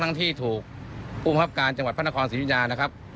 ทั้งที่ถูกอุ้มภัพการจังหวัดพระนครศิริญา